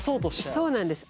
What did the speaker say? そうなんです。